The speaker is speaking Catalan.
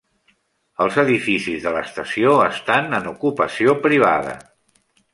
Els edificis de l'estació estan en ocupació privada.